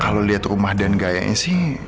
kalau lihat rumah dan gayanya sih